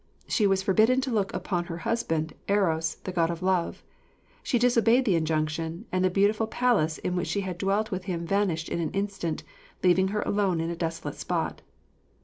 She was forbidden to look upon her husband Eros, the god of love; she disobeyed the injunction, and the beautiful palace in which she had dwelt with him vanished in an instant, leaving her alone in a desolate spot.